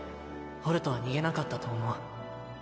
ホルトは逃げなかったと思う